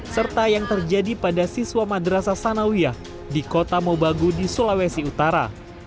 serta yang terjadi pada siswa madrasah sanawiyah di kota mobagu di sulawesi utara